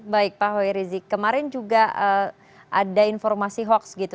baik pak hoi rizik kemarin juga ada informasi hoax gitu